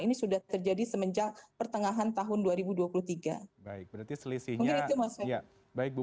ini sudah terjadi semenjak pertengahan tahun dua ribu dua puluh tiga